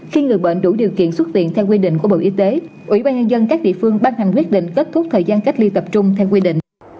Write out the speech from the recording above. khi người bệnh đủ điều kiện xuất viện theo quy định của bộ y tế ủy ban nhân dân các địa phương ban hành quyết định kết thúc thời gian cách ly tập trung theo quy định